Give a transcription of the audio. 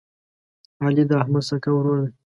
علي د احمد سکه ورور دی.